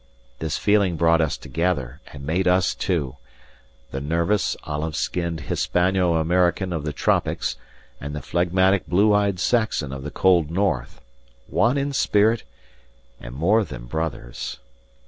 This feeling brought us together and made us two the nervous olive skinned Hispano American of the tropics and the phlegmatic blue eyed Saxon of the cold north one in spirit and more than brothers.